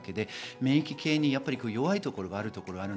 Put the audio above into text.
免疫系に弱いところがあります。